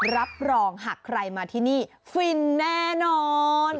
รับรองหากใครมาที่นี่ฟินแน่นอน